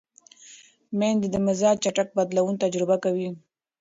مېندې د مزاج چټک بدلون تجربه کوي.